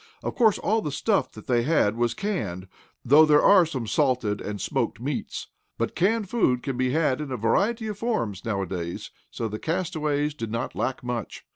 Of course all the stuff they had was canned, though there are some salted and smoked meats. But canned food can be had in a variety of forms now a days, so the castaways did not lack much.